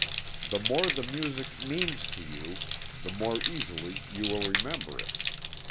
The more the music "means to you," the more easily will you remember it.